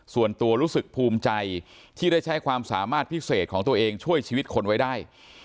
ส่วนตัวรู้สึกภูมิใจที่ได้ใช้ความสามารถพิเศษของตัวเองช่วยชีวิตคนไว้ได้